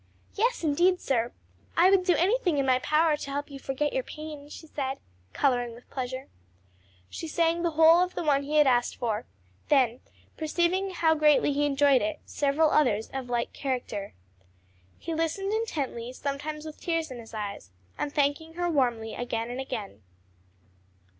"Yes, indeed, sir; I would do anything in my power to help you to forget your pain," she said, coloring with pleasure. She sang the whole of the one he had asked for, then perceiving how greatly he enjoyed it, several others of like character. He listened intently, sometimes with tears in his eyes, and thanking her warmly again and again.